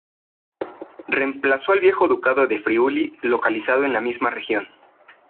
Reemplazó al viejo Ducado del Friuli, localizado en la misma región.